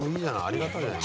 ありがたいね。